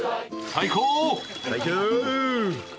最高！